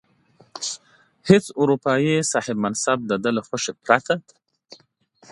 هیڅ اروپايي صاحب منصب د ده له خوښې پرته.